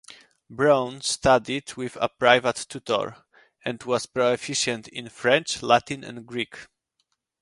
Brown studied with a private tutor, and was proficient in French, Latin and Greek.